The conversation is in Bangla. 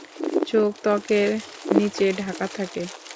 চোখ ত্বকের নিচে ঢাকা থাকে।